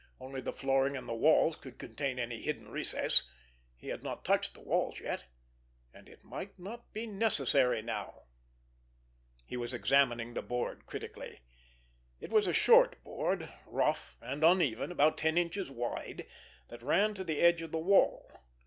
Only the flooring and the walls could contain any hidden recess. He had not touched the walls yet, and it might not be necessary now! He was examining the board critically. It was a short board, rough and uneven, about ten inches wide, that ran to the edge of the wall.